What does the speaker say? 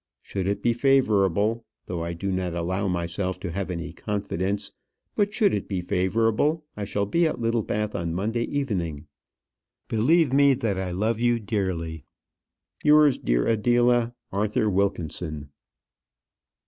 Should it be favourable though I do not allow myself to have any confidence but should it be favourable, I shall be at Littlebath on Monday evening. Believe me, that I love you dearly. Yours, dear Adela, ARTHUR WILKINSON.